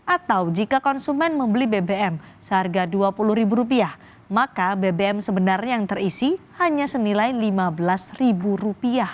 atau jika konsumen membeli bbm seharga dua puluh ribu rupiah maka bbm sebenarnya yang terisi hanya senilai lima belas ribu rupiah